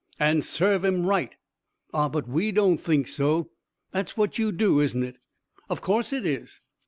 "And serve 'em right!" "Ah, but we don't think so. That's what you'd do, isn't it?" "Of course it is."